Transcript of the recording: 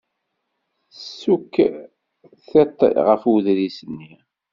Tessukk tiṭ ɣef uḍris-nni.